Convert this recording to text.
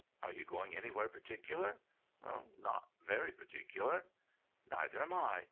Are you going anywhere particular?" "Not very particular." "Neither am I.